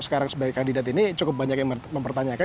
sekarang sebagai kandidat ini cukup banyak yang mempertanyakan